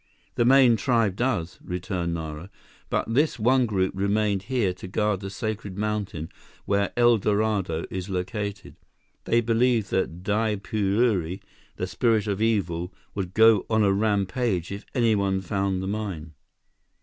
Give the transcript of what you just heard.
"The main tribe does," returned Nara, "but this one group remained here to guard the sacred mountain, where El Dorado is located. They believed that Daipurui, the Spirit of Evil, would go on a rampage if anyone found the mine."